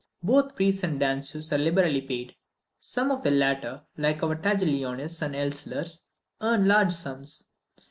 Both priests and danseuses are liberally paid. Some of the latter, like our Taglionis and Elslers, earn large sums.